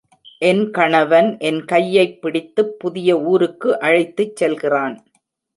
என் கணவன் என் கையைப் பிடித்துப் புதிய ஊருக்கு அழைத்துச் செல்கிறான்.